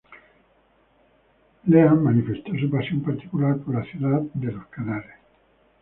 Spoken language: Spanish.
Lean manifestó su pasión particular por la ciudad de los canales.